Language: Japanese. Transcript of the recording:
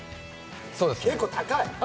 結構高い。